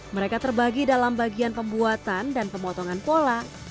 mereka terbagi dalam bagian pembuatan dan pemotongan pola